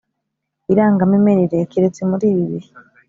irangamimerere keretse muri ibi bihe